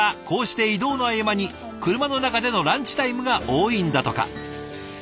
こうして移動の合間に車の中でのランチタイムが多いんだとか。